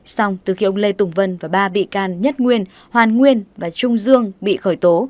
xong từ khi ông lê tùng vân và ba bị can nhất nguyên hoàn nguyên và trung dương bị khởi tố